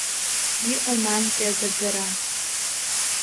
Иҟан анкьа агаӡара.